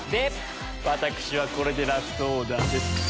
私はこれでラストオーダーです。